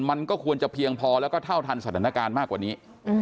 มันก็ควรจะเพียงพอแล้วก็เท่าทันสถานการณ์มากกว่านี้